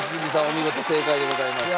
お見事正解でございます。